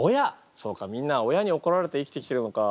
そうかみんな親に怒られて生きてきてるのか。